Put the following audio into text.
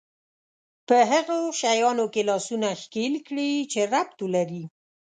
په هغو شيانو کې لاسونه ښکېل کړي چې ربط ولري.